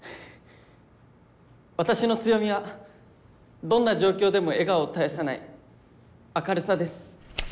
私の強みはどんな状況でも笑顔を絶やさない明るさです。